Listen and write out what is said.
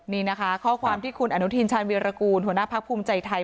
นี่นะคะข้อความที่คุณอนุทินชาญวีรกูลหัวหน้าพักภูมิใจไทย